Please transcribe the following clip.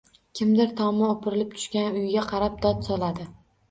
Kimdir tomi o‘pirilib tushgan uyiga qarab dod soladi